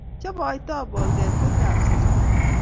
Chabaitoi boldet, betei asista